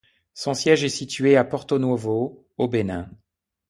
Son siège est situé à Porto-Novo au Bénin.